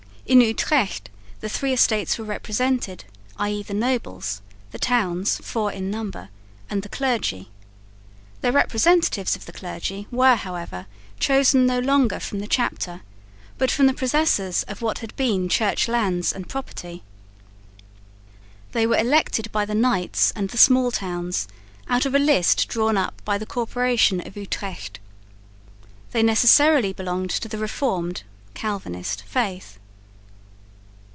In Utrecht the three Estates were represented, i.e. the nobles, the towns (four in number) and the clergy. The representatives of the clergy were, however, chosen no longer from the Chapter but from the possessors of what had been Church lands and property. They were elected by the knights and the small towns out of a list drawn up by the corporation of Utrecht. They necessarily belonged to the Reformed (Calvinist) faith.